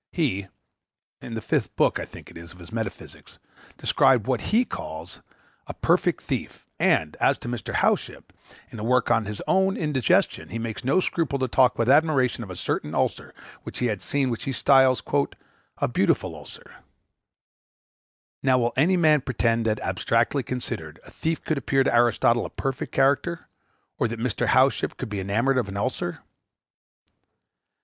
He (in the Fifth Book, I think it is, of his Metaphysics) describes what he calls [Greek: kleptaen teleion], i.e., a perfect thief; and, as to Mr. Howship, in a work of his on Indigestion, he makes no scruple to talk with admiration of a certain ulcer which he had seen, and which he styles "a beautiful ulcer." Now will any man pretend, that, abstractedly considered, a thief could appear to Aristotle a perfect character, or that Mr. Howship could be enamored of an ulcer?